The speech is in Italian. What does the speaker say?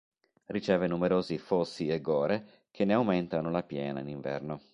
Riceve numerosi fossi e gore che ne aumentano la piena in inverno.